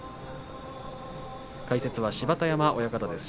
解説は芝田山親方です。